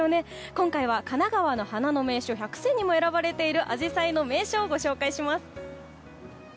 今回は、かながわの花の名所１００選にも選ばれているアジサイの名所をご紹介します。